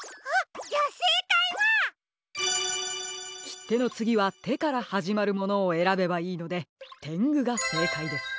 きってのつぎは「て」からはじまるものをえらべばいいのでてんぐがせいかいです。